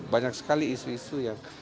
banyak sekali isu isu yang